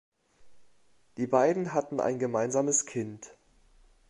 Die beiden hatten ein gemeinsames Kind.